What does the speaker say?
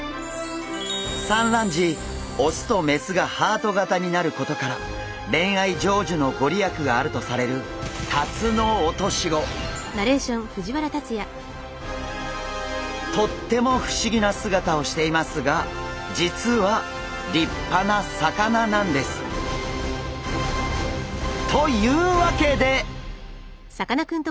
産卵時雄と雌がハート形になることから恋愛成就のご利益があるとされるとっても不思議な姿をしていますが実は立派な魚なんです。というわけで！